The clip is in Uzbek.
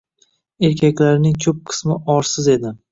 Erkaklarining koʻp qismi orsiz edi.